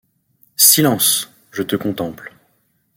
Silence ! je te contemple.